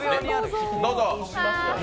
どうぞ。